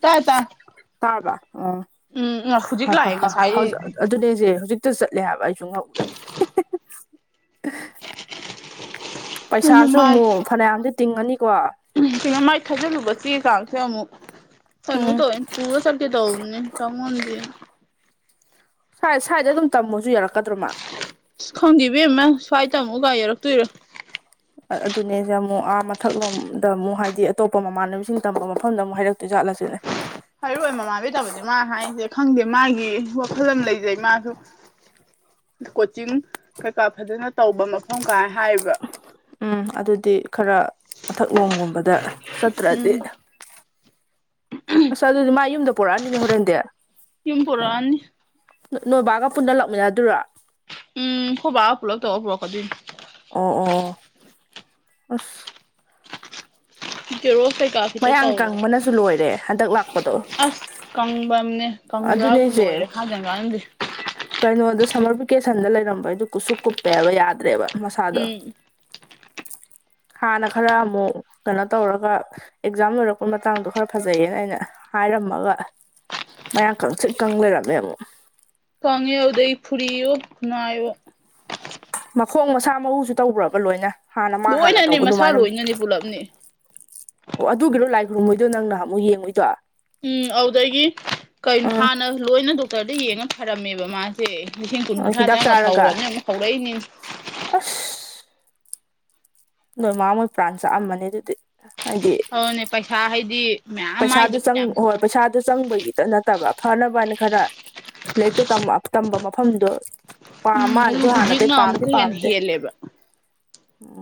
ꯇꯥꯏ ꯇꯥꯏ ꯇꯥꯔꯕꫭ ꯑꯣ ꯎꯝ ꯍꯧꯖꯤꯛ ꯍ ꯂꯥꯛꯑꯦ ꯍ ꯉꯁꯥꯏ ꯍꯧꯖꯤ ꯑꯩꯁꯦ ꯑꯗꯨꯅꯦꯖꯦ ꯍꯧꯖꯤꯛ ꯇꯨ ꯆꯠꯂꯦ ꯍꯥꯏꯕ ꯑꯩꯁꯨ ꯉꯛꯎꯔꯦ ꯄꯩꯁꯥꯁꯨꯃꯨꯛ ꯐꯅꯌꯥꯝꯗꯤ ꯇꯤꯡꯉꯅꯤꯀꯣ ꯎꯝ ꯂꯃꯥꯏ ꯊꯥꯖꯤꯜꯂꯨꯕ ꯆꯦ ꯆꯥꯡꯁꯦ ꯑꯃꯨꯛ ꯀꯩꯅꯦ ꯎꯝ ꯇꯧꯏꯋꯦ ꯄꯨꯔ ꯆꯠꯀꯦ ꯇꯧꯅꯤ ꯇꯝ ꯉꯝꯗꯦ ꯁꯥꯏ ꯁꯋꯥꯏꯗ ꯑꯗꯨꯝ ꯇꯝꯃꯣꯁꯨ ꯌꯥꯔꯛꯀꯗ꯭ꯔꯣ ꯃꯥ ꯈꯪꯗꯦꯕꯦꯝꯃ ꯁ꯭ꯋꯥꯏ ꯇꯝꯃꯣꯒ ꯌꯥꯔꯛꯇꯣꯏꯔ ꯑꯗꯨꯅꯦꯁꯦ ꯑꯃꯨꯛ ꯑꯥ ꯃꯊꯛꯂꯣꯝꯗ ꯑꯃꯨꯛ ꯍꯥꯏꯗꯤ ꯑꯇꯣꯞꯄ ꯃꯃꯥꯟꯅꯕꯤꯁꯤꯡ ꯇꯝꯕ ꯃꯐꯝꯗ ꯑꯃꯨꯛ ꯍꯥꯏꯔꯛꯇꯧꯔꯖꯥꯠꯂ ꯁꯤꯅꯤ꯫ ꯍꯥꯏꯔꯛꯑꯣꯏ ꯃꯃꯥꯅꯕꯤ ꯇꯝꯕꯗꯤ ꯃꯥ ꯍꯥꯏꯔꯤꯁꯦ ꯈꯪꯗꯦ ꯃꯥꯒꯤ ꯋꯥꯈꯜ ꯑꯃ ꯂꯩꯖꯩ ꯃꯥꯁꯨ ꯀꯣꯆꯤꯡ ꯀꯩꯀꯥ ꯐꯖꯅ ꯇꯧꯕ ꯃꯐꯝ ꯀꯥꯏ ꯍꯥꯏꯕ ꯎꯝ ꯑꯗꯨꯗꯤ ꯈꯔ ꯃꯊꯛꯂꯣꯝ ꯒꯨꯝꯕꯗ ꯆꯠꯇ꯭ꯔꯗꯤ ꯎꯝ ꯑꯁ ꯑꯗꯨꯗꯤ ꯃꯥ ꯌꯨꯝꯗ ꯄꯣꯔꯛꯑꯅꯤꯅꯦ ꯍꯣꯔꯦꯟꯗꯤ ꯌꯨꯝ ꯄꯨꯔꯛꯑꯅꯤ ꯅꯣ ꯅꯣꯏꯕꯥꯒ ꯄꯨꯟꯗꯜꯂꯛꯃꯤꯟꯅꯗꯣꯏꯔꯣ ꯎꯝ ꯈꯣꯏ ꯕꯥꯒ ꯄꯨꯂꯞ ꯇꯧꯔ ꯄꯨꯔꯛꯀꯗꯣꯏꯅꯤ ꯑꯣ ꯑꯣ ꯑꯁ [unintelligible] ꯃꯌꯥꯡ ꯇꯧꯔꯒ ꯀꯪꯕꯅꯁꯨ ꯂꯣꯏꯔꯦ ꯍꯟꯗꯛ ꯂꯥꯛꯄꯗꯣ ꯀꯪꯕꯝꯅꯦ ꯀꯪꯕ꯭ꯔꯥꯕꯨ ꯑꯗꯨꯅꯦꯁꯦ ꯂꯣꯏꯔꯦ ꯍꯥꯏꯗꯅꯀꯥꯟꯗꯦ ꯀꯩꯅꯣꯗ ꯁꯝꯃꯔ ꯚꯦꯀꯦꯁꯟꯗ ꯂꯩꯔꯝꯕꯩꯗꯨ ꯀꯨꯁꯨꯛ ꯀꯨꯞꯄꯦ ꯍꯥꯏꯕ ꯌꯥꯗ꯭ꯔꯦꯕ ꯃꯁꯥꯗꯣ ꯎꯝ ꯍꯥꯟꯅ ꯈꯔꯃꯨꯛ ꯀꯩꯅꯣ ꯇꯧꯔꯒ ꯑꯦꯛꯖꯥꯝ ꯑꯣꯏꯔꯛꯄ ꯃꯇꯥꯡꯗꯣ ꯈꯔ ꯐꯖꯩꯌꯦꯅ ꯑꯩꯅ ꯍꯥꯏꯔꯝꯃꯒ ꯃꯌꯥꯡ ꯀꯪꯇꯔꯤꯛ ꯀꯪꯕꯤ ꯂꯩꯔꯝꯃꯦ ꯑꯃꯨꯛ ꯀꯪꯉꯦ ꯑꯗꯨꯗꯩ ꯐꯨꯔꯤꯌꯣ ꯐꯨꯅꯥꯏꯑꯣ ꯃꯈꯣꯡ ꯃꯁꯥ ꯃꯎꯁꯨ ꯇꯧꯕ꯭ꯔꯕ ꯂꯣꯏꯅ ꯍꯥꯟꯅ ꯃꯥ ꯍꯥꯟꯅ ꯂꯣꯏꯅꯅꯦ ꯇꯧꯕ ꯃꯁꯥ ꯑꯗꯨꯃꯥꯏꯅ ꯂꯣꯏꯅꯅꯦ ꯄꯨꯜꯂꯞꯅꯦ ꯑꯣ ꯑꯗꯨꯒꯤꯔꯣ ꯂꯥꯏ ꯈꯨꯔꯨꯝꯃꯣꯏꯗꯣ ꯅꯪ ꯅꯍꯥꯥꯟꯃꯨꯛ ꯌꯦꯡꯉꯨꯏꯗꯣ ꯎꯝ ꯑꯗꯨꯗꯒꯤ ꯀꯩꯅꯣ ꯎꯝ ꯍꯥꯟꯅ ꯂꯣꯏꯅ ꯗꯣꯛꯇꯔꯗ ꯌꯦꯡꯉ ꯐꯔꯝꯃꯦꯕ ꯃꯥꯁꯦ ꯁꯦ ꯂꯤꯁꯤꯡ ꯀꯨꯟ ꯀꯨꯟꯊ꯭ꯔꯥꯥ ꯍꯤꯗꯥꯛ ꯆꯪꯉꯥ ꯆꯥꯔꯒ ꯐꯔꯨꯔꯝꯅꯤ ꯑꯃꯨꯛ ꯍꯧꯔꯛꯏꯅꯤ ꯑꯁ ꯅꯣꯏ ꯃꯥ ꯃꯣꯏ ꯄ꯭ꯔꯥꯟ ꯆꯥꯛꯑꯝꯕꯅꯤ ꯑꯗꯨꯗꯤ ꯍꯥꯏꯗꯤ ꯑꯗꯨꯅꯤ ꯄꯩꯁꯥ ꯍꯥꯏꯗꯤ ꯃꯌꯥꯝ ꯄꯩꯁꯥꯗꯨ ꯃꯥꯏꯗ ꯆꯪ ꯐꯅꯌꯥꯝ ꯍꯣꯏ ꯄꯩꯁꯥꯗꯨ ꯆꯪꯕꯒꯤꯇ ꯅꯠꯇꯕ ꯐꯅꯕꯅ ꯈꯔ ꯂꯥꯏꯔꯤꯛꯇꯣ ꯇꯝꯕ ꯇꯝꯕ ꯃꯐꯝꯗꯣ ꯄꯥꯝ ꯎꯝ ꯑꯗꯨ ꯃꯥꯅꯁꯨ ꯍꯥꯟꯅꯗꯩ ꯍꯧꯖꯤꯛꯅ ꯄꯥꯝꯗꯤ ꯑꯃꯨꯛꯀ ꯍꯦꯟꯅ ꯄꯥꯝꯗꯦ ꯍꯦꯜꯂꯦꯕ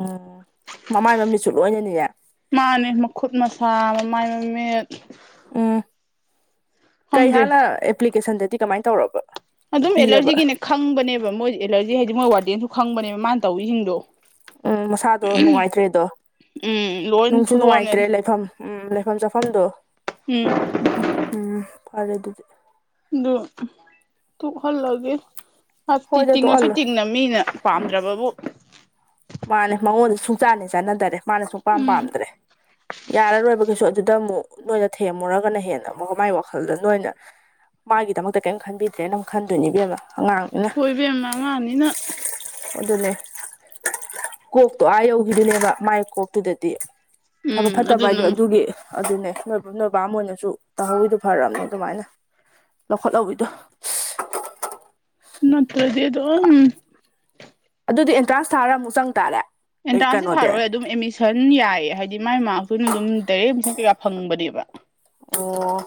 ꯎꯝ ꯃꯃꯥꯏ ꯃꯃꯤꯠꯁꯨ ꯂꯣꯏꯅꯅꯤꯅꯦ ꯃꯥꯅꯦ ꯃꯈꯨꯠ ꯃꯁꯥ ꯃꯃꯥꯏ ꯃꯃꯤꯠ ꯎꯝ ꯀꯩ ꯈꯪꯗꯦ ꯍꯥꯟꯅ ꯑꯦꯄ꯭ꯂꯤꯀꯦꯁꯟꯗꯗꯤ ꯀꯃꯥꯏꯅ ꯇꯧꯔꯕ ꯑꯗꯨꯝ ꯏꯔꯕ ꯑꯦꯂꯔꯖꯤꯒꯤꯅꯦ ꯈꯪꯕꯅꯦꯕ ꯃꯣꯏ ꯑꯦꯂꯔꯖꯤ ꯍꯥꯏꯗꯤ ꯃꯣꯏ ꯋꯥꯔꯗꯦꯟꯁꯨ ꯈꯪꯕꯅꯦꯕ ꯃꯥꯅ ꯇꯧꯔꯤꯁꯤꯡꯗꯣ ꯎꯝ ꯃꯁꯥꯗꯣ ꯅꯨꯡꯉꯥꯏꯇꯔꯤꯗꯣ ꯎꯝ ꯂꯣꯏ ꯅꯨꯡꯁꯨ ꯐꯨꯗꯣꯛꯑꯝꯅꯦ ꯅꯨꯡꯉꯥꯏꯇ꯭ꯔꯦ ꯂꯩꯐꯝ ꯎꯝ ꯂꯩꯐꯝ ꯆꯥꯐꯝꯗꯣ ꯎꯝ ꯎꯝ ꯎꯝ ꯐꯔꯦ ꯑꯗꯨꯗꯤ ꯑꯗꯨ ꯇꯨ ꯍꯜꯂꯒꯦ ꯍꯥꯠ ꯏ ꯍꯣꯏꯗ ꯇꯤꯉꯁꯨ ꯇꯣꯛꯍꯜꯂꯣ ꯇꯤꯡꯅꯕ ꯃꯤꯅ ꯄꯥꯝꯗ꯭ꯔꯕꯕꯨ ꯃꯥꯅꯦ ꯃꯉꯣꯟꯗ ꯁꯨꯡꯆꯥꯟꯅꯦ ꯆꯥꯟꯅꯗꯔꯦ ꯃꯥꯅꯦ ꯁꯨꯡꯄꯥꯝ ꯎꯝ ꯄꯥꯝꯗ꯭ꯔꯦ ꯌꯥꯔꯔꯣꯏꯕꯒꯤꯁꯨ ꯑꯗꯨꯗ ꯑꯃꯨꯛ ꯅꯣꯏꯅ ꯊꯦꯝꯃꯨꯔꯒꯅ ꯍꯦꯟꯅ ꯑꯃꯨꯛꯀ ꯃꯥꯏ ꯋꯥꯈꯜꯗ ꯅꯣꯏꯅ ꯃꯥꯒꯤꯗꯃꯛꯇ ꯀꯔꯤꯝ ꯈꯟꯕꯤꯗ꯭ꯔꯦꯅ ꯑꯃꯛ ꯈꯟꯗꯣꯏꯅꯦꯕꯦꯝ ꯑꯉꯥꯡꯅ ꯍꯣꯏ ꯏꯕꯦꯝꯃ ꯑꯉꯥꯡꯅꯤꯅ ꯑꯗꯨꯅꯦ ꯀꯣꯛꯇꯣ ꯑꯥ ꯌꯧꯈꯤꯗꯨꯅꯦꯕ ꯃꯥꯏ ꯀꯣꯛꯇꯨꯗꯗꯤ ꯐꯕ ꯎꯝ ꯐꯠꯇꯕ ꯑꯗꯨꯅ ꯍꯥꯏꯗꯣ ꯑꯗꯨꯒꯤ ꯑꯗꯨꯅꯦ ꯅꯣꯏꯕꯨꯝ ꯅꯣꯏꯕꯝ ꯑꯣꯏꯅꯁꯨ ꯇꯥꯍꯧꯋꯤꯗꯨꯣ ꯐꯔꯛꯑꯝꯅꯦ ꯑꯗꯨꯃꯥꯏꯅ ꯂꯧꯈꯠꯍꯧꯕꯤꯗꯣ ꯅ ꯊꯗꯦ ꯑꯗꯨꯣ ꯎꯝ ꯑꯗꯨꯗꯤ ꯑꯦꯟꯇ꯭ꯔꯥꯟꯁ ꯊꯥꯔ ꯑꯃꯨꯛ ꯆꯪ ꯇꯥꯔꯦ ꯑꯦ ꯑꯦꯟꯇ꯭ꯔꯥꯟꯁꯁꯦ ꯀꯩꯅꯣꯗꯤ ꯊꯥꯔꯣꯏ ꯑꯗꯨꯝ ꯑꯦꯗꯃꯤꯁꯟ ꯌꯥꯏꯌꯦ ꯍꯥꯏꯗꯤ ꯃꯥꯏ ꯃꯥꯔꯇꯨꯅ ꯑꯗꯨꯝ ꯗꯥꯏꯔꯦꯛ ꯑꯦꯗꯃꯤꯁꯟ ꯀꯩꯀ ꯐꯪꯕꯅꯦꯕ ꯑꯣ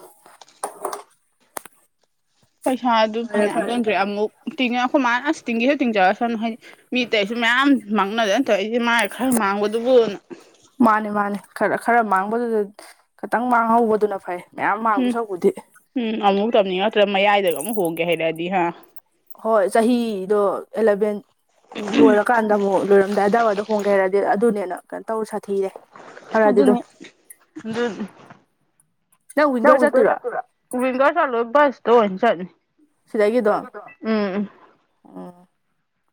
ꯄꯩꯁꯥꯗꯨ ꯐꯔꯦ ꯐꯅꯌꯥꯝ ꯐꯔꯦ ꯆꯣꯟꯈ꯭ꯔꯦ ꯑꯗꯨꯗꯤ ꯑꯃꯨꯛ ꯇꯤꯡꯉꯦ ꯑꯩꯈꯣꯏ ꯃꯥꯥꯅ ꯑꯁ ꯇꯤꯡꯒꯦꯁꯨ ꯇꯤꯡꯖꯔ ꯁꯅꯨ ꯍꯥꯏꯗꯤ ꯃꯤ ꯑꯇꯩꯁꯨ ꯃꯌꯥꯝ ꯃꯥꯡꯅꯗꯅ ꯇꯧꯏꯁꯦ ꯃꯥꯏ ꯈꯔ ꯃꯥꯡꯕꯗꯨꯕꯨꯅ ꯃꯥꯅꯤ ꯃꯥꯅꯤ ꯈꯔ ꯈꯔ ꯃꯥꯡꯕꯗꯨꯗ ꯈꯤꯇꯪ ꯃꯥꯡꯍꯧꯕꯗꯨꯅ ꯐꯩ ꯃꯌꯥꯝ ꯃꯥꯡꯗꯧ ꯎꯝ ꯁꯔꯨꯛꯄꯨꯗꯤ ꯎꯝ ꯑꯃꯨꯛ ꯇꯝꯅꯤꯡꯉꯛꯇ꯭ꯔꯦ ꯃꯌꯥꯏꯗꯒ ꯑꯃꯨꯛ ꯍꯣꯡꯒꯦ ꯍꯥꯏꯔꯛꯑꯗꯤ ꯍꯥ ꯍꯣꯏ ꯆꯍꯤꯗꯣ ꯑꯦꯂꯚꯦꯟ ꯂꯣꯏꯔꯛ ꯀꯥꯟꯗ ꯑꯃꯨꯛ ꯂꯣꯏꯔꯝꯗꯥꯏ ꯑꯗꯥꯏ ꯋꯥꯏꯗ ꯍꯣꯡꯒꯦ ꯍꯥꯔꯛꯑꯗꯤ ꯑꯗꯨꯅꯦꯅ ꯀꯩꯅꯣ ꯇꯧꯔ ꯁꯥꯊꯤꯔꯦ ꯈꯔꯗꯤ ꯑꯗꯨꯝ ꯑꯗꯨꯅꯦ [unintelligible] ꯅꯪ ꯋꯤꯡꯒꯔ ꯆꯠꯇꯣꯏꯔꯣ [unintelligible] ꯋꯤꯡꯒꯔ ꯆꯠꯂꯣꯏ ꯕꯁꯇ ꯑꯣꯏ ꯆꯠꯅꯤ ꯁꯤꯗꯒꯤ ꯑꯗꯨꯝ ꯎꯝ ꯎꯝ ꯑ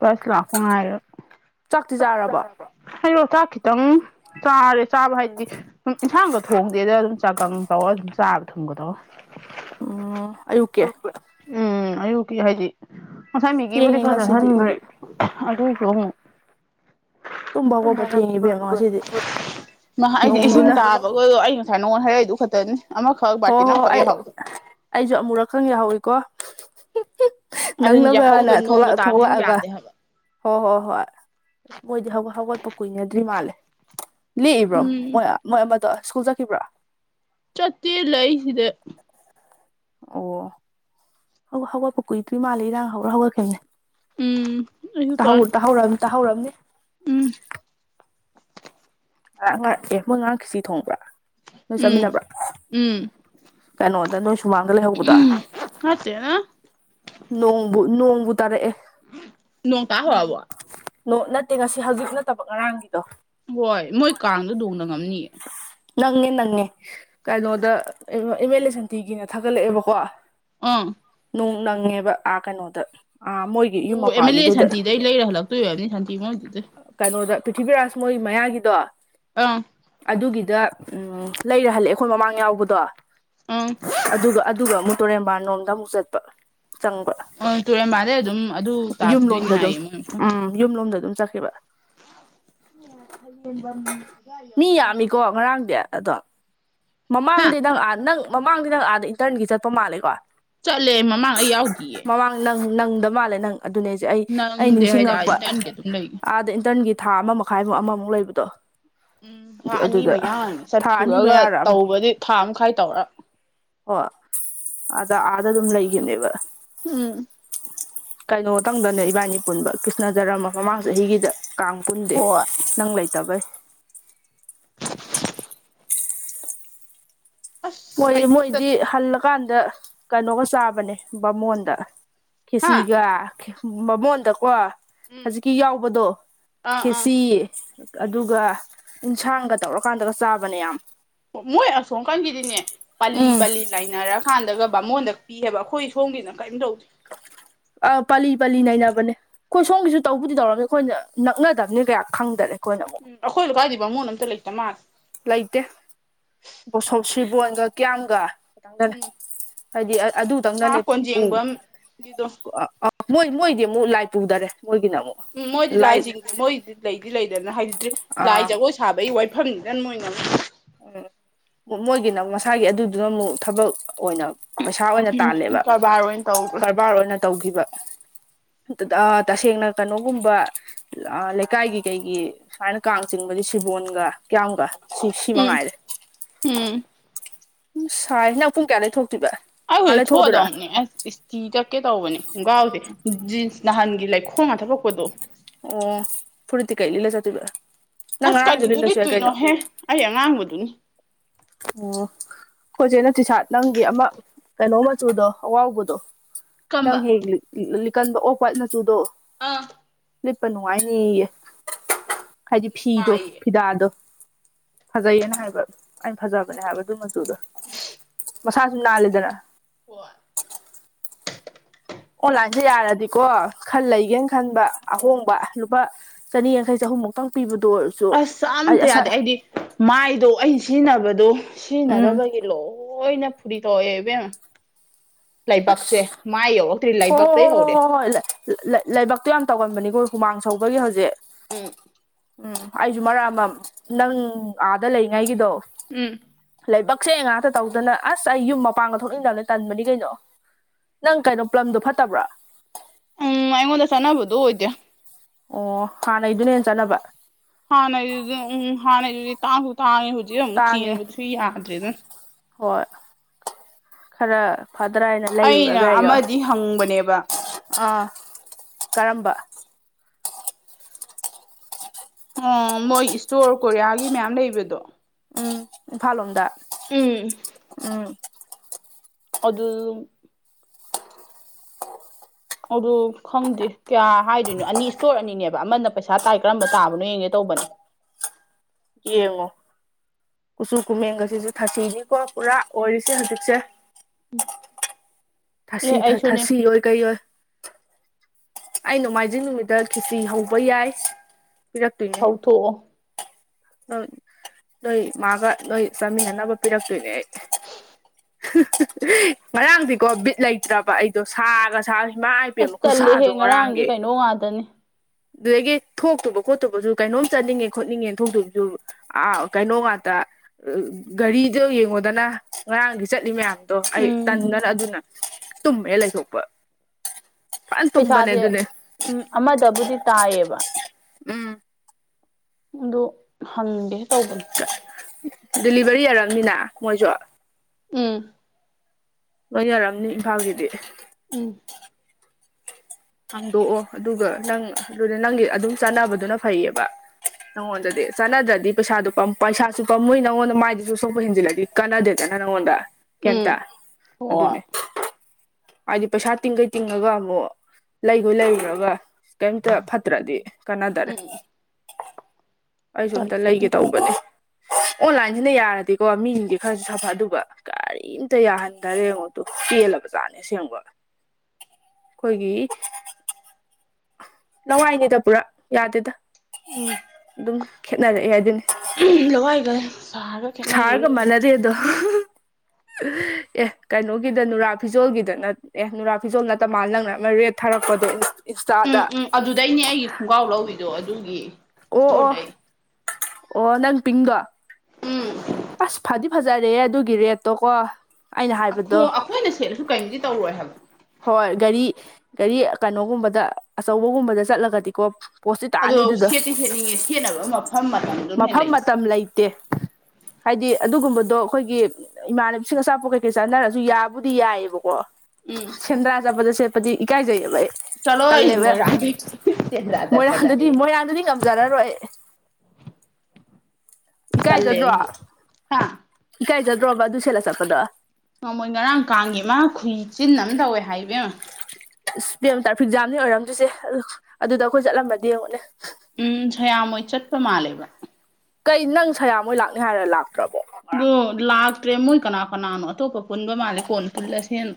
ꯕꯁ ꯂꯥꯛꯄ ꯉꯥꯏꯔ ꯆꯥꯔꯕꯣ [unintelligible] ꯑꯩꯔꯣ ꯆꯥꯛ ꯈꯤꯇꯪ ꯆꯥꯔꯦ ꯆꯥꯕ ꯍꯥꯏꯗꯤ ꯏꯟꯁꯥꯡꯒ ꯊꯣꯡꯗꯦꯗ ꯑꯗꯨꯝ ꯆꯒꯪ ꯇꯧꯔ ꯑꯗꯨꯝ ꯆꯥꯕ ꯊꯨꯝꯒ ꯇꯧꯔ ꯎꯝ ꯑꯌꯨꯛꯀꯤ ꯎꯝ ꯑꯌꯨꯛꯀꯤ ꯍꯥꯏꯗꯤ ꯉꯁꯥꯏ ꯃꯤꯒꯤꯕꯨꯗꯤ ꯊꯦꯡꯉꯦ [unintelligible] ꯉꯁꯤꯗꯤ ꯑꯗꯨ [unintelligible] ꯇꯨꯝꯕ [unintelligible] ꯍꯧꯒꯠꯄ ꯊꯦꯡꯉꯤ ꯏꯕꯦꯝꯃ ꯉꯁꯤꯗꯤ ꯑꯩꯗꯤ ꯏꯁꯤꯡ ꯅꯣꯡꯗꯨꯅ ꯇꯥ ꯕꯒꯗꯣ ꯑꯩ ꯉꯁꯥꯏ ꯅꯣꯡꯉꯣꯟ ꯍꯥꯏꯛꯏꯗꯨ ꯈꯛꯇꯅꯤ ꯑꯃꯈꯛ ꯍꯣ ꯕꯥꯔꯇꯤꯟ ꯍꯣ ꯑꯃꯈꯛ ꯑꯩ ꯌꯥꯍꯧ ꯑꯩꯁꯨ ꯑꯃꯨꯔꯈꯪ ꯌꯥꯍꯧꯋꯤꯀꯣ ꯑꯗꯨꯅ ꯅꯪꯅꯕꯅ ꯌꯥꯍꯧꯗꯣ ꯅꯣꯡꯒ ꯇꯥꯕꯅꯤꯅ ꯊꯣꯛꯂꯛꯑꯒ ꯌꯥꯗꯦ ꯍꯥꯏꯕ ꯍꯣꯏ ꯍꯣꯏ ꯍꯣꯏ ꯃꯣꯏꯗꯤ ꯍꯧꯒꯠ ꯍꯧꯒꯠꯄ ꯀꯨꯏꯅꯗ꯭ꯔꯤ ꯃꯥꯜꯂꯦ ꯂꯦꯛꯏꯕ꯭ꯔꯣ ꯎꯝ ꯃꯣꯏ ꯃꯣꯏ ꯑꯃꯗꯣ ꯁ꯭ꯀꯨꯜ ꯆꯠꯈꯤꯕ꯭ꯔꯣ ꯆꯠꯇꯦ ꯂꯩ ꯁꯤꯗ ꯑꯣ ꯍꯧ ꯍꯧꯒꯠꯄ ꯀꯨꯏꯗꯨꯏ ꯃꯥꯜꯂꯦ ꯏꯔꯥꯡ ꯍꯧꯔ ꯍꯧꯒꯠꯈꯤꯝꯅꯦ ꯎꯝ ꯑꯩꯁꯨ ꯇꯥꯏ ꯇꯥꯍꯧ ꯇꯥꯍꯧꯔꯝ ꯇꯥꯍꯧꯔꯝꯅꯤ ꯎꯝ ꯑꯉꯥ ꯑꯦ ꯃꯣꯏ ꯉꯔꯥꯡ ꯈꯦꯆꯤ ꯊꯣꯡꯕ꯭ꯔꯥ ꯅꯣꯏ ꯎꯝ ꯆꯥꯃꯤꯟꯅꯕ꯭ꯔꯥ ꯎꯝ ꯀꯩꯅꯣꯗ ꯅꯣꯏ ꯁꯨꯃꯥꯡꯗ ꯂꯩꯍꯧꯕꯗ ꯅꯠꯇꯦꯅ ꯅꯣꯡꯕꯨ ꯅꯣꯡꯕꯨ ꯇꯥꯔꯛꯑꯦ ꯅꯣꯡ ꯇꯥ ꯍꯧꯔꯛꯑꯕꯣ ꯅꯣ ꯅꯠꯇꯦ ꯉꯁꯤ ꯍꯧꯖꯤꯛ ꯅꯠꯇꯕ ꯉꯔꯥꯡꯒꯤꯗꯣ ꯍꯣꯏ ꯃꯣꯏ ꯀꯥꯡꯗ ꯗꯣꯡꯅ ꯉꯝꯅꯤꯌꯦ ꯅꯪꯉꯦ ꯅꯪꯉꯦ ꯀꯩꯅꯣꯗ ꯑꯦꯝ ꯑꯦꯜ ꯑꯦ ꯁꯟꯇꯤꯒꯤꯅ ꯊꯥꯒꯠꯂꯛꯑꯦꯕꯀꯣ ꯑꯥ ꯅꯣꯡ ꯅꯪꯉꯦꯕ ꯑꯥ ꯀꯩꯅꯣꯗ ꯑꯥ ꯃꯣꯏ ꯑꯣ ꯑꯦꯝ ꯑꯦꯜ ꯑꯦ ꯁꯥꯟꯇꯤꯗꯩ ꯂꯩꯔ ꯍꯜꯂꯛꯇꯣꯏ ꯑꯣꯏꯔꯝꯅꯤ ꯁꯥꯟꯇꯤ ꯃꯣꯏꯗꯨꯗꯩ ꯀꯩꯅꯣꯗ ꯄ꯭ꯔꯤꯊꯤꯕꯤꯔꯥꯖ ꯃꯣꯏ ꯃꯌꯥꯒꯤꯗꯣ ꯑꯪ ꯑꯗꯨꯒꯤꯗ ꯎꯝ ꯂꯩꯔ ꯍꯜꯂꯛꯑꯦ ꯑꯩꯈꯣꯏ ꯃꯃꯥꯡ ꯌꯥꯎꯕꯗꯣ ꯑꯪ ꯑꯗꯨꯒ ꯑꯗꯨꯒ ꯑꯃꯨꯛ ꯇꯣꯔꯦꯟꯕꯥꯟ ꯂꯣꯝꯗ ꯑꯃꯨꯛ ꯆꯠꯄ ꯆꯪꯕ ꯑꯣ ꯇꯨꯔꯦꯟꯕꯥꯗꯩ ꯑꯗꯨꯝ ꯑꯗꯨ ꯇꯥꯛꯈꯤꯗꯣꯏꯅꯤ ꯌꯨꯝꯂꯣꯝꯗ ꯑꯗꯨꯝ ꯍꯥꯏꯌꯦ [unintelligible] ꯎꯝ ꯌꯨꯝꯂꯣꯝꯗ ꯑꯗꯨꯝ ꯆꯠꯈꯤꯕ ꯃꯤ ꯌꯥꯝꯃꯤꯀꯣ [unintelligible] ꯉꯔꯥꯡꯗꯤ ꯑꯗꯣ ꯍꯥ ꯃꯃꯥꯡꯗꯤ ꯅꯪ ꯑꯥ ꯅꯪ ꯃꯃꯥꯡꯗꯤ ꯅꯪ ꯑꯥꯗ ꯏꯟꯇꯔꯟꯒꯤ ꯆꯠꯄ ꯃꯥꯜꯂꯦꯀꯣ ꯆꯠꯂꯦ ꯃꯃꯥꯡ ꯑꯩ ꯌꯥꯎꯗꯤꯌꯦ ꯃꯃꯥꯡ ꯅ ꯅꯪꯗ ꯃꯥꯜꯂꯦ ꯅꯪ ꯑꯗꯨꯅꯦꯁꯦ ꯑꯩ ꯑꯩ ꯅꯪꯗꯦ ꯍꯥꯏꯗꯤ ꯑꯩ ꯅꯤꯡꯁꯤꯡꯉꯛꯄ ꯅꯪꯒꯤ ꯑꯗꯨꯝ ꯂꯩꯒꯦ ꯑꯥꯗ ꯏꯟꯇꯔꯟꯒꯤ ꯊꯥ ꯑꯃ ꯃꯈꯥꯏꯃꯨꯛ ꯑꯃꯃꯨꯛ ꯂꯩꯕꯗꯣ ꯎꯝ ꯑꯗꯨ ꯊꯥ ꯑꯅꯤ ꯑꯗꯨꯗ ꯃꯌꯥꯅꯤ ꯊꯥ ꯑꯅꯤ ꯆꯠꯈꯤꯕꯒ ꯃꯌꯥꯔ ꯑꯃ ꯇꯧꯕꯗꯤ ꯊꯥ ꯑꯝꯈꯥꯏ ꯇꯧꯔ ꯑꯣ ꯑꯗ ꯑꯥꯗ ꯑꯗꯨꯝ ꯂꯩꯈꯤꯕꯅꯦꯕ꯫ ꯎꯝ꯫ ꯀꯩꯅꯣꯇꯪꯗꯅꯦ ꯏꯕꯥꯅꯤ ꯄꯨꯟꯕ ꯀ꯭ꯔꯤꯁꯅ ꯖꯔꯃ ꯃꯃꯥꯡ ꯆꯍꯤꯒꯤꯗ꯫ ꯀꯥꯡ ꯀꯨꯟꯗꯦ ꯍꯣꯏ ꯅꯪ ꯂꯩꯇꯕꯩ꯫ ꯑꯁ ꯃꯣꯏ ꯑꯩ ꯆꯠ ꯃꯣꯏꯗꯤ ꯍꯜꯂꯀꯥꯟꯗ ꯀꯩꯅꯣꯒ ꯆꯥꯕꯅꯦ ꯕꯥꯃꯣꯟꯗ꯫ ꯍꯥ ꯈꯦꯁꯤꯒ ꯃꯕꯥꯃꯣꯟꯗꯀꯣ꯫ ꯎꯝ ꯍꯧꯖꯤꯛꯀꯤ ꯌꯥꯎꯕꯗꯣ ꯑꯥ ꯑꯥ ꯈꯦꯁꯤ ꯑꯗꯨꯒ ꯏꯟꯁꯥꯡꯒ ꯇꯧꯔꯀꯥꯟꯗꯒ ꯆꯥꯕꯅꯦ ꯌꯥꯝ꯫ ꯃꯣꯏ ꯑꯁꯣꯝꯀꯥꯟꯒꯤꯗꯤꯅꯦ ꯄꯥꯜꯂꯤ ꯎꯝ ꯄꯥꯜꯂꯤ ꯂꯩꯥꯏꯅꯔ ꯀꯥꯟꯗꯒ ꯕꯥꯃꯣꯟꯗ ꯄꯤꯑꯦꯕ ꯑꯩꯈꯣꯏ ꯁꯣꯝꯒꯤꯅ ꯀꯥꯏꯝ ꯇꯧꯗꯦ꯫ ꯑ ꯄꯜꯂꯤ-ꯄꯜꯂꯤ ꯅꯩꯅꯕꯅꯦ꯫ ꯈꯣꯏ ꯁꯣꯝꯒꯤꯁꯨ ꯇꯧꯕꯨꯗꯤ ꯇꯧꯔꯝꯃꯤ ꯑꯈꯣꯏꯅ ꯅꯛꯅꯗꯕꯅꯤ ꯀꯌꯥ ꯈꯪꯗꯔꯦ ꯑꯈꯣꯏꯅ꯫ ꯑꯈꯣꯏ ꯂꯩꯀꯥꯏꯗꯤ ꯕꯃꯣꯟ ꯑꯝꯇ ꯂꯩꯇ ꯃꯥꯜꯂꯦ꯫ ꯂꯩꯇꯦ ꯕꯣꯁꯣꯞ ꯁꯤꯕꯣꯟꯒ ꯀꯌꯥꯝꯒ ꯈꯇꯪꯗꯅꯦ ꯎꯝ ꯍꯥꯏꯗꯤ ꯑꯗꯨꯇꯪꯗꯅꯦ ꯑꯥ ꯄꯨ ꯀꯣꯟꯖꯦꯡꯕꯝꯒꯤꯗꯣ ꯃꯣꯏ ꯃꯣꯏꯗꯤ ꯑꯃꯨꯛ ꯂꯥꯏ ꯄꯨꯗꯔꯦ ꯃꯣꯏꯒꯤꯅ ꯑꯃꯨꯛ꯫ ꯎꯝ ꯃꯣꯏꯗꯤ ꯂꯥꯏ ꯆꯤꯡꯁꯦ ꯃꯣꯏꯗꯤ ꯂꯩꯗꯤ ꯂꯩꯗꯅ ꯍꯇ꯭ꯔꯤ ꯂꯥꯏ ꯑ ꯖꯒꯣꯏ ꯁꯥꯕꯒꯤ ꯋꯥꯏꯐꯝꯅꯤꯗ ꯃꯣꯏꯅ ꯎꯝ ꯃꯣꯏꯒꯤꯅ ꯃꯁꯥꯒꯤ ꯑꯗꯨꯗꯨꯅ ꯑꯃꯨꯛ ꯊꯕꯛ ꯑꯣꯏꯅ ꯄꯩꯁꯥ ꯑꯣꯏꯅ ꯇꯥꯜꯂꯦꯕ ꯀꯔꯕꯥꯔ ꯑꯣꯏꯅ ꯇꯧꯈ꯭ꯔꯦ ꯀꯔꯕꯥꯔ ꯑꯣꯏꯅ ꯇꯧꯈꯤꯕ꯫ ꯇ ꯑꯥ ꯇꯁꯦꯡꯅ ꯀꯩꯅꯣꯒꯨꯝꯕ ꯂꯩꯀꯥꯏꯒꯤ ꯀꯩꯒꯤ ꯁꯨꯃꯥꯏꯅ ꯀꯥꯡ ꯆꯤꯡꯕꯗꯤ ꯁꯤꯕꯣꯟꯒ ꯀꯌꯥꯝꯒ ꯁꯤ ꯎꯝ ꯁꯤꯃꯉꯥꯏꯔꯦ꯫ ꯎꯝ꯫ ꯎ ꯁꯥꯏ ꯅꯪ ꯄꯨꯡ ꯀꯌꯥꯗꯩ ꯊꯣꯛꯇꯣꯏꯕ꯫ ꯑꯥꯏ ꯉꯥ ꯍꯨꯖꯤꯛ ꯂꯩꯊꯣꯛꯑꯗꯣꯏꯔꯥ ꯊꯣꯛꯑꯗꯧꯅꯤ ꯑ ꯏꯁ ꯆꯤ ꯇꯛꯀꯦ ꯇꯧꯕꯅꯦ ꯈꯣꯡꯒ꯭ꯔꯥꯎꯁꯦ ꯖꯤꯟꯁ ꯅꯍꯥꯟꯒꯤ ꯂꯩꯈꯣꯡꯒ ꯊꯕꯛꯄꯗꯣ꯫ ꯑꯣ ꯐꯨꯔꯤꯠꯇꯤ ꯀꯩ ꯂꯤꯠꯂ ꯆꯠꯇꯣꯏꯕ ꯅꯪ ꯑꯁ ꯉꯔꯥꯡꯁꯨ ꯀꯔꯤꯕꯨ ꯂꯤꯠꯂꯁꯨ ꯌꯥꯏ ꯀꯩꯅꯣ꯫ ꯂꯤꯠꯇꯣꯏꯅꯣꯍꯦ ꯑꯩ ꯉꯥꯡꯕꯗꯨꯅꯤ꯫ ꯎ ꯈꯣꯏꯆꯦꯅ ꯇꯤꯁꯥꯥꯠ ꯅꯪꯒꯤ ꯑꯃ ꯀꯩꯅꯣ ꯃꯆꯨꯗꯣ ꯑꯋꯥꯥꯎꯕꯗꯣ꯫ ꯅꯪ ꯀꯝꯕ ꯍꯦꯛ ꯂꯤꯀꯟꯕ ꯑꯣꯐ ꯋꯥꯏꯠ ꯃꯆꯨꯗꯣ꯫ ꯑꯥ꯫ ꯂꯤꯠꯄ ꯅꯨꯡꯉꯥꯏꯅꯤꯌꯦ꯫ ꯍꯥꯏꯗꯤ ꯐꯤꯗꯣ ꯅꯨꯡꯉꯥꯏꯌꯦ ꯐꯤꯗꯥꯗꯣ ꯐꯖꯩꯌꯦꯅ ꯍꯥꯏꯕ ꯑꯩꯅ ꯐꯖꯕꯅꯦ ꯍꯥꯏꯕ ꯑꯗꯨ ꯃꯆꯨꯗꯣ꯫ [unintelligible] ꯃꯁꯥꯁꯨ ꯅꯥꯜꯂꯦꯗꯅ꯫ ꯍꫭꯏ꯫ ꯑꯣꯟꯂꯥꯏꯟꯁꯦ ꯌꯥꯔꯗꯤꯀꯣ ꯈꯔ ꯂꯩꯒꯦꯅ ꯈꯟꯕ ꯑꯍꯣꯡꯕ ꯂꯨꯄꯥ ꯆꯅꯤ ꯌꯥꯡꯈꯩ ꯆꯍꯨꯝꯃꯨꯛꯇꯪ ꯄꯤꯕꯗꯨ ꯑꫭꯏꯔ ꯑꯁ ꯑꯝꯇ ꯌꯥꯗꯦ ꯑꯩꯗꯤ ꯃꯥꯏꯗꯣ ꯑꯩ ꯁꯤꯖꯤꯟꯅꯕꯗꯣ ꯎꯝ ꯁꯤꯖꯤꯟꯅꯗꯕꯒꯤ ꯂꯣꯏ ꯂꯣꯏꯅ ꯐꯨꯔꯤ ꯊꫭꯛꯑꯦ ꯏꯕꯦꯃ꯫ ꯂꯥꯏꯕꯛꯁꯦ ꯑꯁ ꯃꯥꯥꯏ ꯌꯧꯔꯛꯇ꯭ꯔꯤ ꯍꯣꯏ ꯍꯣꯏ ꯂꯥꯏꯕꯛꯇꯩ ꯍꯣꯏ ꯍꯧꯔꯦ꯫ ꯍꯣꯏ ꯍꯣꯏ ꯂꯩ ꯂ ꯂ ꯂꯥꯏꯕꯛꯇꯣ ꯌꯥꯝ ꯇꯧꯒꯟꯕꯅꯤꯀꯣ ꯍꯨꯃꯥꯡ ꯁꯧꯕꯒꯤ ꯍꯧꯖꯤꯛ꯫ ꯎꯝ꯫ ꯎꯝ ꯑꯩꯖꯨ ꯃꯔꯥꯛ ꯑꯃ ꯅꯪ ꯑꯥꯗ ꯂꯩꯉꯩꯒꯤꯗꯣ꯫ ꯎꯝ꯫ ꯂꯥꯏꯕꯛꯁꯦ ꯉꯥꯛꯇ ꯇꯧꯗꯅ ꯑꯁ ꯑꯩ ꯌꯨꯝ ꯃꯄꯥꯟꯒ ꯊꯣꯛꯅꯤꯡꯗꯝꯅꯦ ꯇꯟꯕꯅꯤ ꯀꯩꯅꯣ꯫ ꯅꯪ ꯀꯩꯅꯣ ꯄ꯭ꯂꯝꯗꯣ ꯐꯠꯇꯕ꯭ꯔꫭ꯫ ꯎꯝ ꯑꯩꯉꯣꯟꯗ ꯆꯥꯟꯅꯕꯗꯣ ꯑꯣꯏꯗꯦ꯫ ꯑꯣ ꯍꯥꯟꯅꯩꯗꯨꯅ ꯍꯦꯟꯅ ꯆꯥꯟꯅꯕ ꯍꯥꯟꯅꯩꯗꯨ ꯎꯝ ꯍꯥꯟꯅꯩꯗꯨꯗꯤ ꯇꯥꯡꯖꯨ ꯇꯥꯡꯉꯦ ꯍꯧꯖꯤꯛ ꯑꯃꯨꯛ ꯇꯥꯡꯉꯦ ꯆꯦꯟꯕꯗꯨꯁꯨ ꯌꯥꯗ꯭ꯔꯦꯗ ꯍꯣꯏ ꯈꯔ ꯐꯗ꯭ꯔꯥ ꯍꯥꯏꯅ ꯑꯩꯅ ꯂꯩꯔꯨꯔꯒ ꯍꯥꯏꯌꯣ ꯑꯃꯗꯤ ꯍꯪꯕꯅꯦꯕ ꯑꯥ ꯀꯔꯝꯕ ꯑꯣ ꯃꯣꯏ ꯏꯁꯇꯣꯔ ꯀꯣꯔꯤꯌꯥꯒꯤ ꯃꯌꯥꯝ ꯂꯩꯕꯗꯣ ꯎꯝ ꯏꯝꯐꯥꯜ ꯂꯣꯝꯗ ꯎꯝ ꯎꯝ ꯑꯗꯨ ꯂꯨꯡ ꯑꯗꯨ ꯈꯪꯗꯦ ꯀꯌꯥ ꯍꯥꯏꯗꯣꯏꯅꯣ ꯑꯅꯤ ꯏꯁꯇꯣꯔ ꯑꯅꯤꯅꯦꯕ ꯑꯃꯅ ꯄꯩꯁꯥ ꯇꯥꯏ ꯀꯔꯝꯕ ꯇꯥꯕꯅꯣ ꯌꯦꯡꯒꯦ ꯇꯧꯕꯅꯦ ꯌꯦꯡꯉꯣ ꯀꯨꯆꯨ ꯀꯨꯃꯦꯟꯒꯖꯤꯖꯨ ꯊꯥꯁꯤꯅꯤꯀꯣ ꯄꯨꯔꯥ ꯑꯣꯏꯔꯤꯁꯦ ꯍꯧꯖꯤꯛꯁꯦ ꯎꯝ ꯊꯥꯁꯤ ꯊꯥ ꯊꯥꯁꯤ ꯑꯣꯏ ꯀꯩ ꯑꯣꯏ ꯑ ꯅꯣꯡꯃꯥꯏꯖꯤꯡ ꯅꯨꯃꯤꯠꯇ ꯈꯦꯆꯤ ꯍꯧꯕ ꯌꯥꯏ ꯄꯤꯔꯛꯇꯣꯏꯅꯦ ꯍꯧꯊꯣꯛꯑꯣ ꯅꯣꯏ ꯅꯣꯏ ꯃꯥꯒ ꯅꯣꯏ ꯆꯥꯃꯤꯟ ꯅꯅꯥꯕ ꯄꯤꯔꯛꯇꯣꯏꯅꯦ ꯑꯩ ꯉꯔꯥꯡꯗꯤꯀꯣ ꯕꯤꯠ ꯂꯩꯇ꯭ꯔꯕ ꯑꯩꯗꯣ ꯁꯥꯒ ꯁꯥ ꯏꯃꯥꯏ ꯄꯦꯝꯃ ꯈꯨꯁꯥꯗꯣ ꯉꯔꯥꯡꯒꯤ ꯗꯨ ꯉꯥꯛꯇꯅꯤ ꯑꯗꯨꯗꯒꯤ ꯊꯣꯛꯇꯨꯕ ꯈꯣꯠꯇꯨꯕꯖꯨ ꯀꯩꯅꯣꯝ ꯆꯠꯅꯤꯡꯉꯦ ꯈꯣꯠꯅꯤꯡꯉꯦꯅ ꯊꯣꯛꯇꯨꯕꯖꯨ ꯑꯥ ꯀꯩꯅꯣ ꯉꯥꯛꯇꯥ ꯒꯥꯔꯤꯗꯣ ꯌꯦꯡꯉꯣꯗꯅ ꯉꯔꯥꯡꯗꯤ ꯆꯠꯂꯤ ꯃꯌꯥꯝꯗꯣ ꯑꯩ ꯎꯝ ꯇꯟꯗꯅ ꯑꯗꯨꯅ ꯇꯨꯝꯃ ꯍꯦꯛ ꯂꯩꯊꯣꯛꯄ ꯐꯖꯅ ꯇꯨꯝꯕꯅꯦ ꯄꯩꯁꯥꯖꯦ ꯑꯗꯨꯅꯦ ꯎꯝ ꯑꯃꯗꯕꯨꯗꯤ ꯇꯥꯏꯌꯦꯕ ꯎꯝ ꯑꯗꯣ ꯍꯪꯒꯦ ꯇꯧꯕꯅꯦ ꯗꯤꯂꯤꯚꯔꯤ ꯌꯥꯔꯝꯅꯤꯅ ꯃꯣꯏꯖꯨ ꯎꯝ ꯂꯣꯏ ꯌꯥꯔꯝꯅꯤ ꯏꯝꯐꯥꯜꯒꯤꯗꯤ ꯎꯝ ꯍꯟꯗꯣꯛꯑꯣ ꯑꯗꯨꯒ ꯅꯪ ꯑꯗꯨꯗꯤ ꯅꯪꯒꯤ ꯑꯗꯨꯝ ꯆꯥꯟꯅꯕꯗꯨꯅ ꯐꯩꯌꯦꯕ ꯅꯪꯉꯣꯟꯗꯗꯤ ꯆꯠꯅꯗ꯭ꯔꯗꯤ ꯄꯩꯁꯥꯗꯣ ꯄꯩꯁꯥꯁꯨ ꯄꯝꯃꯨꯏ ꯅꯪꯉꯣꯟꯗ ꯃꯥꯏꯗꯨꯖꯨ ꯁꯣꯛꯄ ꯍꯦꯟꯖꯤꯜꯂꯗꯤ ꯀꯥꯟꯅꯗꯦꯗꯅ ꯅꯪꯉꯣꯟꯗ ꯀꯦꯝꯇ ꯎꯝ ꯑꯗꯨꯅꯦ ꯑꯣ ꯍꯥꯏꯗꯤ ꯄꯩꯁꯥ ꯇꯤꯡꯒꯩ ꯇꯤꯡꯉꯒ ꯑꯃꯨꯛ ꯂꯩꯒꯣꯏ ꯂꯩꯔꯨꯔꯒ ꯀꯩꯝꯇ ꯐꯠꯇ꯭ꯔꯗꯤ ꯀꯥꯟꯅꯗꯔꯦ ꯎꯝ ꯑꯩꯁꯨ ꯇꯜꯂꯦ ꯑꯝꯇ ꯑꯗꯨ ꯂꯩꯒꯦ ꯇꯧꯕꯅꯦ ꯑꯣꯟꯂꯥꯏꯟꯖꯤꯅ ꯌꯥꯔꯗꯤꯀꯣ ꯃꯤꯖꯤꯡꯖꯤ ꯈꯔꯁꯨ ꯁꯥꯐ ꯗꯨꯕ ꯀꯔꯤꯝꯇ ꯌꯥꯍꯟꯗꯔꯦ ꯌꯦꯡꯉꯣ ꯄꯦꯜꯂꯕ ꯖꯥꯠꯅꯤ ꯑꯁꯦꯡꯕ ꯑꯩꯈꯣꯏꯒꯤ ꯂꯋꯥꯏꯅꯤꯗ ꯄꯨꯔꯥ ꯌꯥꯗꯦꯗ ꯑꯗꯨꯝ ꯈꯦꯠꯅꯔꯛꯑꯦ ꯍꯥꯏꯅꯤ ꯂꯕꯥꯒ ꯍꯒ ꯃꯅꯗꯤ ꯑꯗꯨꯣ ꯑꯦ ꯀꯩꯅꯣꯒꯤꯗ ꯅꯨꯔꯥ ꯐꯤꯖꯣꯜꯒꯤꯗꯅ ꯑꯦ ꯅꯨꯔꯥ ꯐꯤꯖꯣꯜ ꯅꯠꯇ ꯃꯥꯜ ꯅꯪꯅ ꯑꯃ ꯔꯦꯠ ꯊꯥꯔꯛꯄꯗꯣ ꯎꯝ ꯏꯟꯁꯇꯥꯗ ꯎꯝ ꯑꯗꯨꯗꯩꯅꯦ ꯑꯩꯒꯤ ꯈꯣꯡꯒ꯭ꯔꯥꯎ ꯂꯧꯋꯗꯣ ꯑꯗꯨꯒꯤ ꯑꯣ ꯑꯣ ꯏꯁꯇꯣꯔꯗꯩ ꯑꯣ ꯅꯪ ꯄꯤꯡꯗꯣ ꯎꯝ ꯑꯁ ꯐꯗꯤ ꯐꯖꯔꯦ ꯑꯗꯨꯒꯤ ꯔꯦꯠꯇꯣ ꯀꯣ ꯑꯩꯅ ꯍꯥꯏꯕꯗꯣ ꯑꯩꯈꯣꯏꯅ ꯁꯦꯠꯂꯁꯨ ꯀꯔꯤꯝꯗꯤ ꯇꯧꯔꯣꯏ ꯍꯥꯏꯕ ꯍꯣꯏ ꯒꯥꯔꯤ ꯒꯥꯔꯤ ꯀꯩꯅꯣꯒꯨꯝꯕꯗ ꯑꯆꯧꯕꯒꯨꯝꯕꯗ ꯆꯠꯂꯒꯗꯤꯀꯣ ꯄꯣꯁꯇꯤ ꯑꯗꯣ ꯇꯥꯛꯑꯅꯤ ꯑꯗꯨꯗꯣ ꯁꯦꯠꯇꯤ ꯁꯦꯠꯅꯤꯡꯉꯦ ꯁꯦꯠꯅꯕ ꯃꯐꯝ ꯃꯇꯝꯗꯨꯅ ꯍꯦꯟꯅ ꯂꯩ ꯇꯦ ꯍꯥꯏꯗꯤ ꯑꯗꯨꯒꯨꯝꯕꯗꯣ ꯑꯩꯈꯣꯏꯒꯤ ꯏꯃꯥꯟꯅꯕꯤꯁꯤꯡ ꯑꯆꯥꯄꯣꯠ ꯀꯩꯀꯩ ꯆꯠꯅꯔꯁꯨ ꯌꯥꯕꯨꯗꯤ ꯌꯥꯏꯌꯦꯕꯀꯣ ꯎꯝ ꯁꯦꯟꯗ꯭ꯔꯥ ꯆꯠꯄꯗ ꯁꯦꯠꯄꯗꯤ ꯏꯀꯥꯏꯖꯩꯑꯦꯕ ꯑꯩ ꯆꯠꯂꯣꯍꯦ ꯇꯜꯂꯦꯕ ꯃꯣꯏꯔꯥꯡꯗꯩ ꯁꯦꯟꯗ꯭ꯔꯥ ꯆꯠꯄꯗ ꯃꯣꯏꯔꯥꯡꯗꯨꯗꯤ ꯑꯩ ꯃꯣꯏꯔꯥꯡꯗꯨꯗꯤ ꯉꯝꯖꯔꯔꯣꯏ ꯑꯩ ꯇꯜꯂꯦ ꯏꯀꯥꯏꯖꯗ꯭ꯔꯣ ꯑꯩꯁꯨ ꯍꯥ ꯏꯀꯥꯏꯖꯗ꯭ꯔꯣꯕ ꯑꯗꯨ ꯁꯦꯠꯂ ꯆꯠꯄꯗꯣ ꯅꯣꯡꯃꯣꯏ ꯉꯔꯥꯡ ꯀꯥꯡꯒꯤ ꯃꯥ ꯈꯨꯨꯏ ꯆꯤꯟꯅ ꯑꯃ ꯇꯧꯋꯦ ꯍꯥꯏꯕꯦꯝꯃ ꯏꯁ ꯏꯕꯦꯃ ꯇ꯭ꯔꯥꯐꯤꯛ ꯖꯥꯝꯅꯤ ꯑꯣꯏꯔꯝꯗꯣꯏꯁꯦ ꯑꯗꯣ ꯑꯗꯨꯗ ꯑꯩꯈꯣꯏ ꯆꯠꯂꯝꯃꯗꯤ ꯌꯦꯡꯉꯨꯅꯦ ꯎꯝ ꯁꯥꯌꯥꯝ ꯃꯣꯏ ꯆꯠꯄ ꯃꯥꯜꯂꯦꯕ ꯀꯩ ꯅꯪ ꯁꯌꯥꯃꯣꯏ ꯂꯥꯛꯅꯤ ꯍꯥꯏꯔ ꯂꯥꯛꯇ꯭ꯔꯕꯣ ꯉꯔꯥꯡ ꯑꯗꯣ ꯂꯥꯛꯇ꯭ꯔꯦ ꯃꯣꯏ ꯀꯅꯥ ꯀꯅꯥꯅꯣ ꯑꯇꯣꯞꯄ ꯄꯨꯟꯕ ꯃꯥꯜꯂꯦ ꯀꯣꯟꯅ ꯄꯨꯜꯂꯁꯦꯅ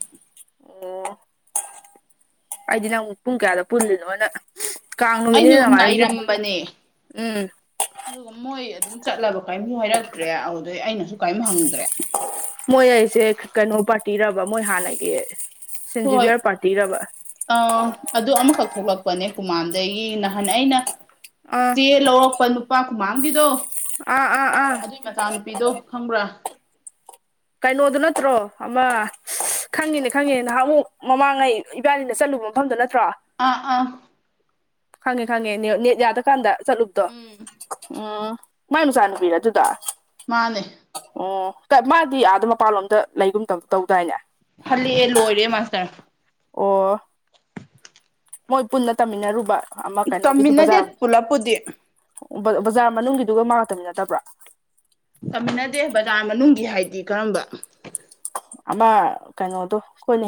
ꯑꯣ ꯑꯩꯗꯤ ꯅꯪ ꯄꯨꯡ ꯀꯌꯥꯗ ꯄꯨꯜꯂꯤꯅꯣꯅ ꯀꯥꯡ ꯅꯨꯃꯤꯠꯅꯤꯅꯦ ꯑꯩꯁꯨ ꯉꯥꯏꯔꯝꯁꯦ ꯉꯥꯏꯔꯝꯕꯅꯦ ꯎꯝ ꯑꯗꯨꯒ ꯃꯣꯏ ꯑꯗꯨꯝ ꯆꯠꯂꯕ ꯀꯔꯤꯝꯁꯨ ꯍꯥꯏꯔꯛꯇ꯭ꯔꯦ ꯑꯗꯨꯗꯩ ꯑꯩꯅꯁꯨ ꯀꯥꯏꯝ ꯍꯪꯗ꯭ꯔꯦ ꯃꯣꯏ ꯑꯩꯁꯦ ꯀꯩꯅꯣ ꯄꯥꯔꯇꯤꯔꯕ ꯃꯣꯏ ꯍꯥꯟꯅꯒꯤ ꯍꯣꯏ ꯁꯤꯟꯖꯤꯕꯤꯌꯔ ꯄꯥꯇꯤꯔꯕ ꯑ ꯑꯗꯨ ꯑꯃꯈꯛ ꯊꯣꯛꯂꯛꯄꯅꯦ ꯄꯨꯃꯥꯟꯗꯒꯤ ꯅꯍꯥꯟ ꯑꯩꯅ ꯑꯥ ꯆꯦ ꯂꯧꯔꯛꯄ ꯅꯨꯄꯥ ꯀꯨꯃꯥꯡꯒꯤꯗꯣ ꯑꯥ ꯑꯥ ꯑꯥ ꯒꯤ ꯃꯆꯥꯅꯨꯄꯤꯗꯣ ꯈꯪꯕ꯭ꯔꯥ ꯀꯩꯅꯣꯗꯨ ꯅꯠꯇ꯭ꯔꯣ ꯑꯃ ꯈꯪꯉꯤꯅꯦ ꯈꯪꯉꯦ ꯅꯍꯥꯛꯃꯨꯛ ꯃꯃꯥꯡꯉꯩ ꯏꯕꯥꯅꯤꯅ ꯆꯠꯂꯨꯕ ꯃꯐꯝꯗꯣ ꯅꯠꯇ꯭ꯔꯣ ꯑꯥ ꯑꯥ ꯈꯪꯉꯦ ꯈꯪꯉꯦ ꯅꯦꯠ ꯅꯦꯠ ꯌꯥꯗ ꯀꯥꯟꯗ ꯆꯠꯂꯨꯕꯗꯣ ꯎꯝ ꯎꯝ ꯃꯥꯏ ꯃꯆꯥ ꯅꯨꯨꯄꯤꯔ ꯑꯗꯨꯗꯣ ꯃꯥꯅꯦ ꯑꯣ ꯀ ꯃꯥꯗꯤ ꯑꯥꯗ ꯃꯄꯥꯟꯂꯣꯝꯗ ꯂꯩꯒꯨꯝ ꯇꯧ ꯇꯧꯗꯥꯏꯅꯦ ꯍꯜꯂꯛꯑꯦ ꯂꯣꯏꯔꯦ ꯃꯥꯁꯇꯔ ꯑꯣ ꯃꯣꯏ ꯄꯨꯟꯅ ꯇꯝꯃꯤꯟꯅꯔꯨꯕ ꯑꯃ ꯀꯩꯅꯣꯒꯤꯗꯨ ꯇꯝꯃꯤꯟꯅꯗꯦ ꯕꯖꯥꯔ ꯄꯨꯂꯞꯄꯨꯗꯤ ꯕ ꯕꯖꯥꯔ ꯃꯅꯨꯡꯒꯤꯗꯨꯒ ꯃꯥꯒ ꯇꯃꯤ ꯅꯠꯇꯕ꯭ꯔꯥ ꯇꯃꯤꯟꯅꯗꯦ ꯕꯖꯥꯔ ꯃꯅꯨꯡꯒꯤ ꯍꯥꯏꯗꯤ ꯀꯔꯝꯕ ꯑꯃ ꯀꯩꯅꯣꯗꯣ ꯈꯣꯏꯅꯍꯦꯛ